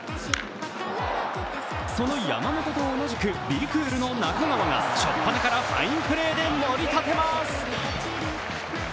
その山本と同じく＃Ｂ＿ＣＯＯＬの中川が初っぱなからファインプレーでもり立てます。